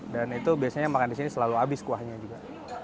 dan itu biasanya makan disini selalu habis kuahnya juga